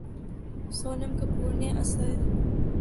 سونم کپور نے اسل